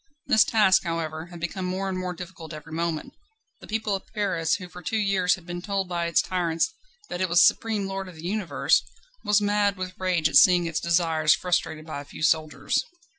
This task, however, had become more and more difficult every moment. The people of Paris, who for two years had been told by its tyrants that it was supreme lord of the universe, was mad with rage at seeing its desires frustrated by a few soldiers.